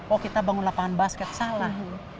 oh kita bangun lapangan basket salah